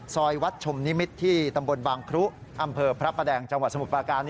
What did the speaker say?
ซอยวัดชมนิมิตรที่ตำบลบางครุอำเภอพระประแดงจังหวัดสมุทรปราการ